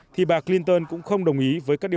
thì bà clinton cũng không đối tác